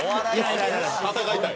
戦いたい？